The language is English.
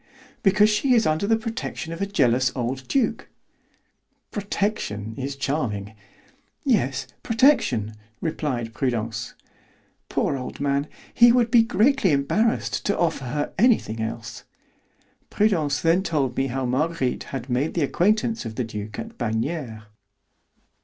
"Because she is under the protection of a jealous old duke." "'Protection' is charming." "Yes, protection," replied Prudence. "Poor old man, he would be greatly embarrassed to offer her anything else." Prudence then told me how Marguerite had made the acquaintance of the duke at Bagnères.